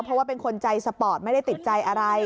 เพราะว่าเป็นคนใจสปอร์ตไม่ได้ติดใจอะไร